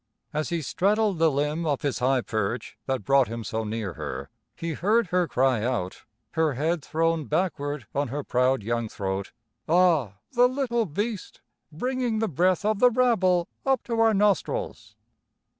As he straddled the limb of his high perch that brought him so near her, he heard her cry out, her head thrown backward on her proud young throat: "Ah, the little beast, bringing the breath of the rabble up to our nostrils."